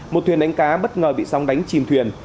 một thuyền đánh cá bất ngờ bị sóng đánh chìm thuyền